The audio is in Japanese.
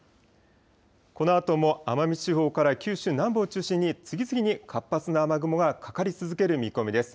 このあとも奄美地方から九州南部を中心に、次々に活発な雨雲がかかり続ける見込みです。